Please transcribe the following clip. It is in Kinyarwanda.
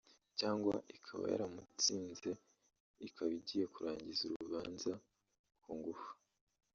cyangwa ikaba yaramutsinze ikaba igiye kurangiza urubanza ku ngufu